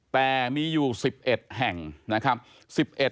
แต่มีอยู่๑๑แห่งนะครับ